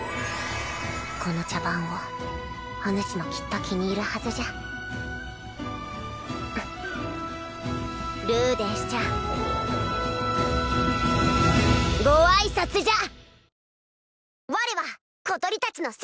この茶番をおぬしもきっと気に入るはずじゃルーデンスちゃんご挨拶じゃ！